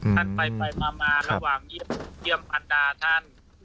ท่านไปมาระหว่างเยี่ยมพันดาท่าน